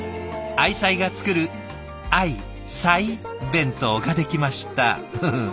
愛妻が作る「愛菜弁当」が出来ましたフフ。